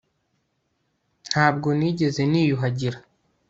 ntabwo nigeze niyuhagira